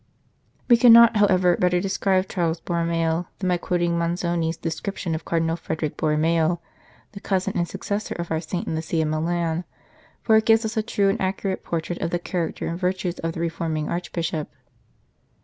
We cannot, however, better describe Charles Borromeo than by quoting Manzoni s description of Cardinal Frederick Borromeo, the cousin and successor of our saint in the See of Milan, for it gives us a true and accurate portrait of the character and virtues of the reforming Archbishop.